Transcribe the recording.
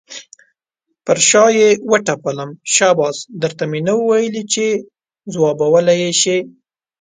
پر شا یې وټپلم، شاباس در ته مې نه ویل چې ځوابولی یې شې.